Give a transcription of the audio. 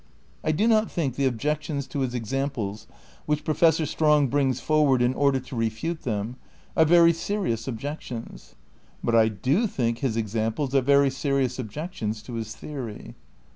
I do not think the objections to his examples, which Professor Strong brings forward in order to refute them, are very serious objections, but I do think his examples are very serious objections to his theory.